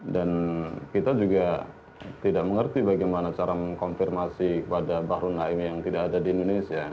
dan kita juga tidak mengerti bagaimana cara mengkonfirmasi kepada bahru naim yang tidak ada di indonesia